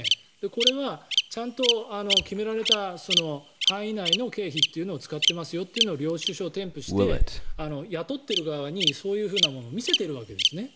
これはちゃんと、決められた範囲内の経費というのを使っていますよというのを領収書を添付して雇っている側にそういうものを見せているわけですね。